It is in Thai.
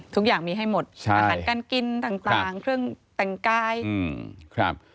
ทุกอย่างมีให้หมดอาหารการกินต่างเครื่องแต่งกาย